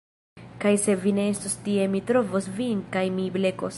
Kaj se vi ne estos tie mi trovos vin kaj mi blekos